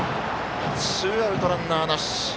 ツーアウト、ランナーなし。